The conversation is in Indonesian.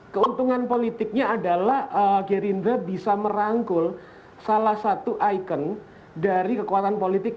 keuntungan politiknya adalah gerindra bisa merangkul salah satu ikon dari kekuatan politik